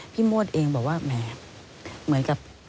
พี่โมดเองบอกว่าเหมือนกับ